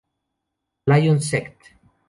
Lyon, Sect.